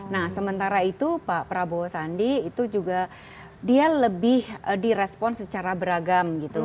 nah sementara itu pak prabowo sandi itu juga dia lebih direspon secara beragam gitu